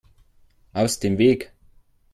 Aus dem Weg!